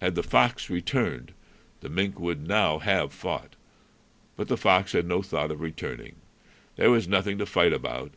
Had the fox returned, the mink would now have fought. But the fox had no thought of returning. There was nothing to fight about.